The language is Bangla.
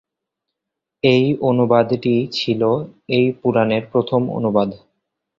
এই অনুবাদটি ছিল এই পুরাণের প্রথম অনুবাদ।